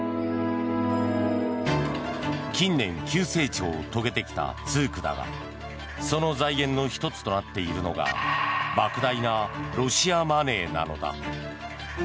近年、急成長を遂げてきたツークだがその財源の１つとなっているのが莫大なロシアマネーなのだ。